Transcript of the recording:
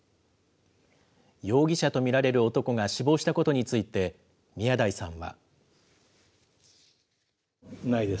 容疑者と見られる男が死亡したことについて、宮台さんは。